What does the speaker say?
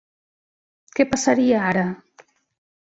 Què passaria ara?